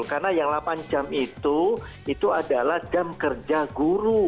karena yang delapan jam itu itu adalah jam kerja guru